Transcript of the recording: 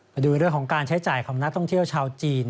มาดูเรื่องของการใช้จ่ายของนักท่องเที่ยวชาวจีน